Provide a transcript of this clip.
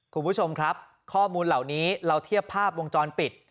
คุณผู้ชมครับข้อมูลเหล่านี้เราเทียบภาพวงจรปิด